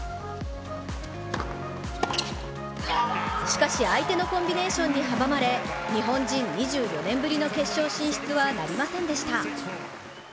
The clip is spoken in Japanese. しかし相手のコンビネーションに阻まれ日本人２４年ぶりの決勝進出はなりませんでした